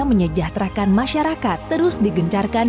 menyejahterakan masyarakat terus digencarkan